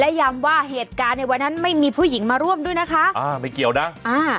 ย้ำว่าเหตุการณ์ในวันนั้นไม่มีผู้หญิงมาร่วมด้วยนะคะอ่าไม่เกี่ยวนะอ่า